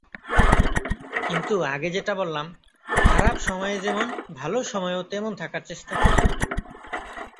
কিন্তু আগে যেটা বললাম, খারাপ সময়ে যেমন, ভালো সময়েও তেমন থাকার চেষ্টা করি।